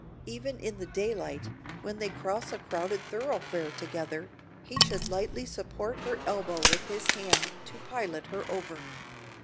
Even in the daylight, when they cross a crowded thoroughfare together, he should lightly support her elbow with his hand to pilot her over.